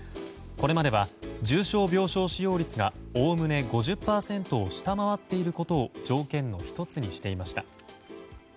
これまでは重症病床使用率がおおむね５０％を下回っていることを条件の１つにしていました。